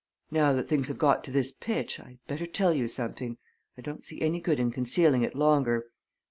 Now that things have got to this pitch, I'd better tell you something I don't see any good in concealing it longer.